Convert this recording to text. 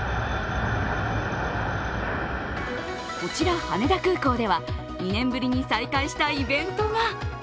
こちら羽田空港では、２年ぶりに再開したイベントが。